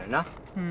うん。